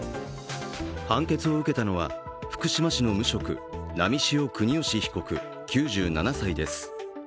判決を受けたのは福島市の無職、波汐國芳被告９７歳です。